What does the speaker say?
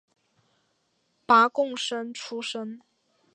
拔贡生出身。